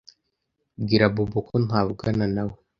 Bwira Bobo ko ntavugana nawe.